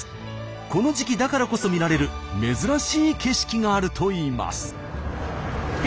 この時期だからこそ見られる珍しい景色があるといいます。